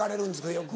よく。